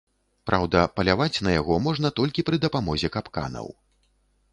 Праўда, паляваць на яго можна толькі пры дапамозе капканаў.